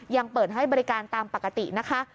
ยังเปิดให้บริการตามปกตินะคะ